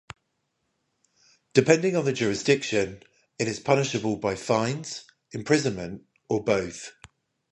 Depending on the jurisdiction, it is punishable by fines, imprisonment or both.